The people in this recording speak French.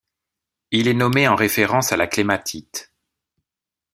Il est nommé en référence à la clématite.